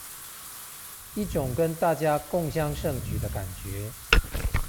一種跟大家共襄盛舉的感覺